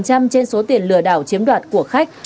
trên số tiền lừa đảo chiếm đoạt của khách